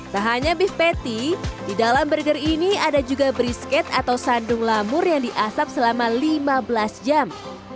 tak hanya beef patty di dalam burger ini ada juga brisket atau sandung lamur yang diasap selama lima belas jam